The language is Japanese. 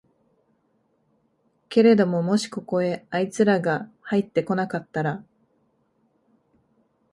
けれどももしここへあいつらがはいって来なかったら、